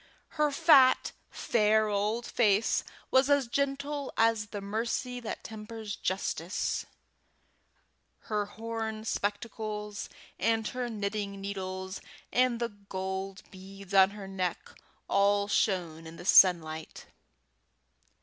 Her fat, fair old face was as gentle as the mercy that tempers justice; her horn spectacles and her knitting needles and the gold beads on her neck all shone in the sunlight.